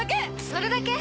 それだけ？